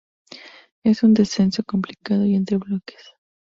Es un descenso complicado y entre bloques.